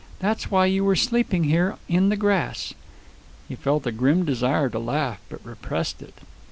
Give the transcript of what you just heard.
That's why you were sleeping here in the grass." He felt a grim desire to laugh, but repressed it.